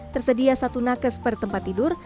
tersedia satu nakes per tempat tidur